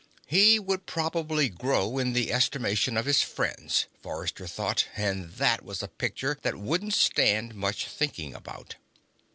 He would probably grow in the estimation of his friends, Forrester thought, and that was a picture that wouldn't stand much thinking about.